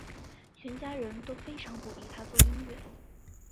全家人都非常鼓励他做音乐。